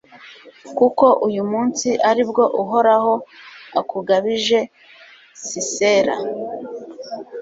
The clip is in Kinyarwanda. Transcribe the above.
kuko uyu munsi ari bwo uhoraho akugabije sisera